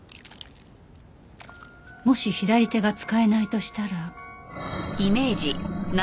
もし左手が使えないとしたら